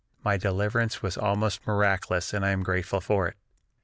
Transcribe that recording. My deliverance was almost miraculous and I am grateful for it."